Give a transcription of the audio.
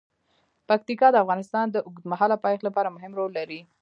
پکتیکا د افغانستان د اوږدمهاله پایښت لپاره مهم رول لري.